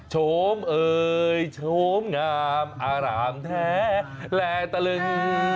โฉมเอ่ยโฉมงามอารามแท้และตะลึง